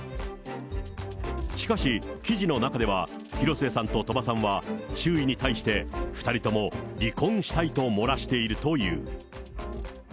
しかし、記事の中では、広末さんと鳥羽さんは、周囲に対して２人とも離婚したいと漏らしているという。